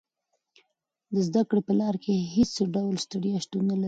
د زده کړې په لار کې هېڅ ډول ستړیا شتون نه لري.